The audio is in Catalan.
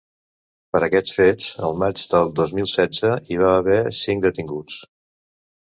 Per aquests fets, el maig del dos mil setze, hi va haver cinc detinguts.